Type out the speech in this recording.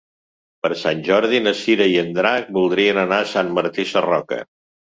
Per Sant Jordi na Cira i en Drac voldrien anar a Sant Martí Sarroca.